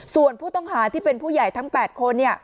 ส่วนผู้ต้องหาที่เป็นผู้ใหญ่ทั้ง๘คน